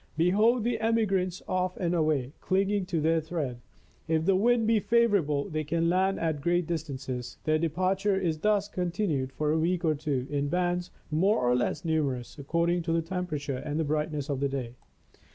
Behold the emigrants off and away, clinging to their thread. If the wind be favorable, they can land at great distances. Their departure is thus continued for a week or two, in bands more or less numerous, according to the temperature and the brightness of the day.